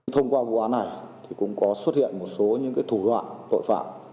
thông qua vụ án này cũng có xuất hiện một số những thủ đoạn tội phạm